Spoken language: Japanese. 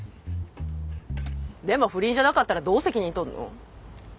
でも不倫じゃなかったらどう責任取るの？